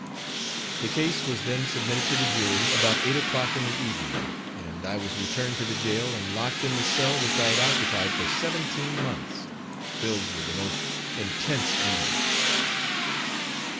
The case was then submitted to the jury, about 8 o'clock in the evening, and I was returned to the jail and locked in the cell which I had occupied for seventeen months, filled with the most intense anguish.